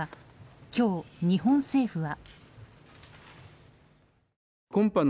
今日、日本政府は。